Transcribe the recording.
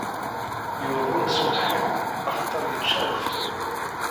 Yuḍen s ubeḥri axaṭer yečča adfel.